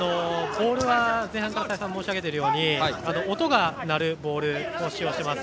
ボールは再三申し上げているとおり音が鳴るボールを使用します。